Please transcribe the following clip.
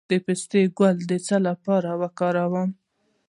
د پسته ګل د څه لپاره وکاروم؟